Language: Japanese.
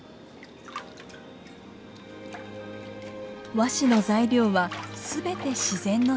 和紙の材料はすべて自然の産物。